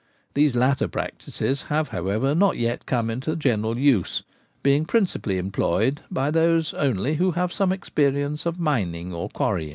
These latter practices have, however, not yet come into general use, being principally employed by those only who have had some experience of min ing or quarrying.